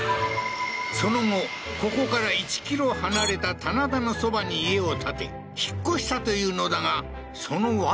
その後ここから１ｋｍ離れた棚田のそばに家を建て引っ越したというのだがその訳は